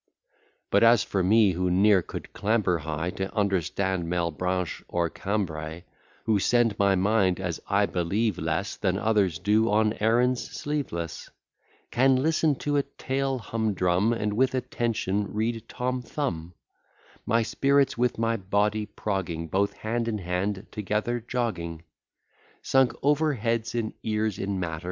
But, as for me, who ne'er could clamber high, To understand Malebranche or Cambray; Who send my mind (as I believe) less Than others do, on errands sleeveless; Can listen to a tale humdrum, And with attention read Tom Thumb; My spirits with my body progging, Both hand in hand together jogging; Sunk over head and ears in matter.